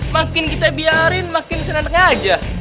makin kita biarin makin seneng seneng aja